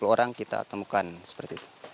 dua puluh orang kita temukan seperti itu